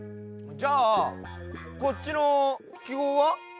じゃあこっちのきごうは？